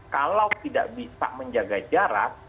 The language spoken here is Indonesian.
kalau tidak bisa menjaga jarak